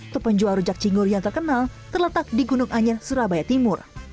tepenjual rujak cingur yang terkenal terletak di gunung anyer surabaya timur